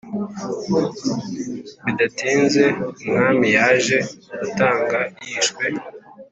Bidatinze, Umwami yaje gutanga yishwe